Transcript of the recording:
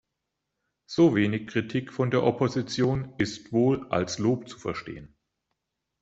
So wenig Kritik von der Opposition ist wohl als Lob zu verstehen.